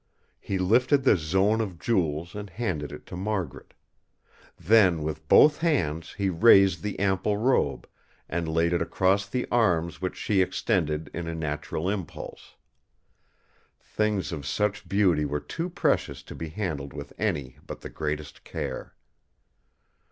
He lifted the zone of jewels and handed it to Margaret. Then with both hands he raised the ample robe, and laid it across the arms which she extended in a natural impulse. Things of such beauty were too precious to be handled with any but the greatest care.